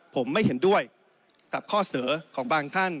หัวใจด้วยกับข้อเสนอของบางท่าน